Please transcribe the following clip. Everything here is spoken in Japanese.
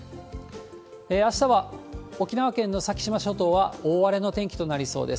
あしたは、沖縄県の先島諸島は大荒れの天気となりそうです。